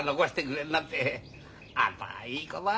あんたはいい子だ。